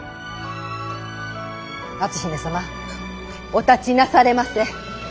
篤姫様お立ちなされませ。